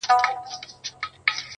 بوی د اصیل ګلاب په کار دی٫